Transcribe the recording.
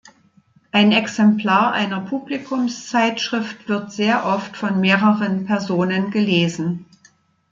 Ein Exemplar einer Publikumszeitschrift wird sehr oft von mehreren Personen gelesen.